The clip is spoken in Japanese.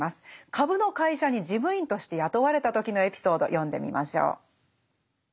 株の会社に事務員として雇われた時のエピソード読んでみましょう。